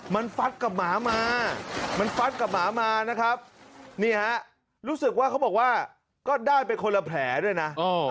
มันฟัดกับหมามามันฟัดกับหมามานะครับนี่ฮะรู้สึกว่าเขาบอกว่าก็ได้ไปคนละแผลด้วยนะ